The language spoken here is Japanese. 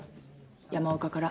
山岡から。